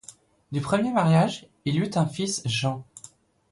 Du premier mariage, il eut un fils Jean.